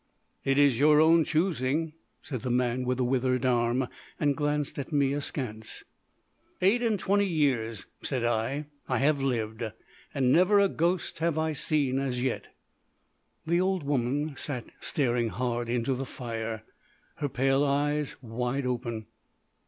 "It is your own choosing," said the man with the withered arm, and glanced at me askance. "Eight and twenty years," said I, "I have lived, and never a ghost have I seen as yet." The old woman sat staring hard into the fire, her pale eyes wide open.